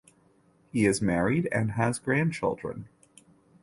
He is married and has grandchildren.